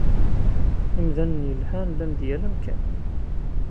Imdanen yelhan llan di yal amkan.